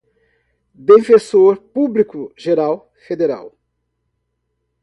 defensor público-geral federal